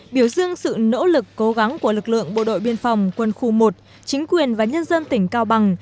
biểu dương sự nỗ lực cố gắng của lực lượng bộ đội biên phòng quân khu một chính quyền và nhân dân tỉnh cao bằng